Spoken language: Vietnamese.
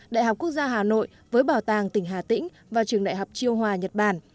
đại học quốc gia hà nội với bảo tàng tỉnh hà tĩnh và trường đại học chiêu hòa nhật bản